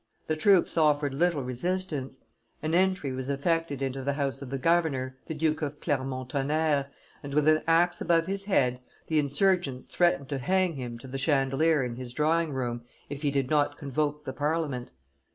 The troops offered little resistance; an entry was effected into the house of the governor, the Duke of Clermont Tonnerre, and, with an axe above his head, the insurgents threatened to hang him to the chandelier in his drawing room if he did not convoke the Parliament.